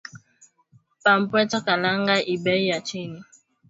Pa mpweto kalanga iko beyi ya chini